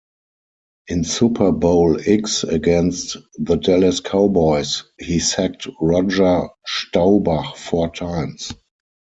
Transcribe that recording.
In Super Bowl X against the Dallas Cowboys, he sacked Roger Staubach four times.